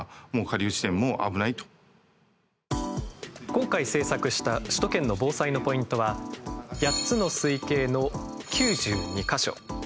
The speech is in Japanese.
今回、制作した首都圏の防災のポイントは８つの水系の９２か所。